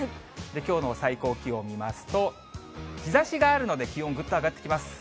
きょうの最高気温見ますと、日ざしがあるので、気温、ぐっと上がってきます。